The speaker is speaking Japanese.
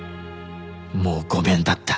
もうごめんだった。